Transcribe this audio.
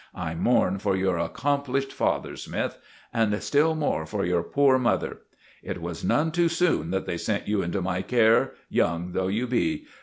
I mourn for your accomplished father, Smythe; and still more for your poor mother. It was none too soon that they sent you into my care, young though you be.